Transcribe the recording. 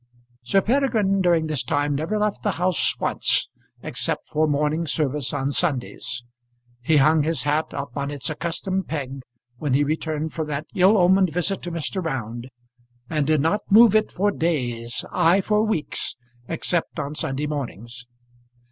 Sir Peregrine during this time never left the house once, except for morning service on Sundays. He hung his hat up on its accustomed peg when he returned from that ill omened visit to Mr. Round, and did not move it for days, ay, for weeks, except on Sunday mornings.